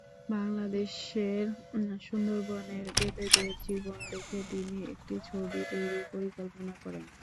বাংলাদেশের সুন্দরবনের বেদেদের জীবন দেখে তিনি একটি ছবি তৈরির পরিকল্পনা করেন।